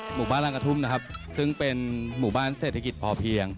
หมู่บ้านรังกระทุ่มนะครับซึ่งเป็นหมู่บ้านเศรษฐกิจพอเพียง